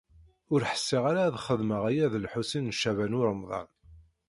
Ur ḥṣiɣ ara ad xedmeɣ aya d Lḥusin n Caɛban u Ṛemḍan.